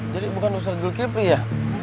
jadi bukan ustadz jul kivli ya